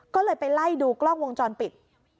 ก็เลยไปไล่ดูกล้องวงจรปิด